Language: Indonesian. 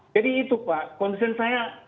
jadi itu pak kondisi saya